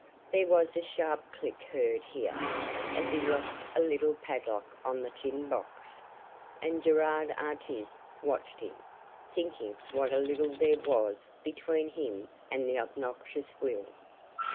There was a sharp click heard here, as he locked a little padlock on the tin box, and Gerard Artis watched him, thinking what a little there was between him and the obnoxious will.